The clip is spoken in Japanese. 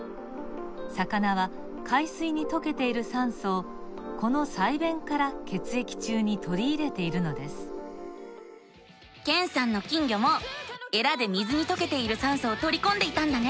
魚は海水にとけている酸素をこの鰓弁から血液中にとりいれているのですけんさんの金魚もえらで水にとけている酸素をとりこんでいたんだね。